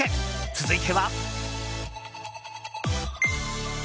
続いては。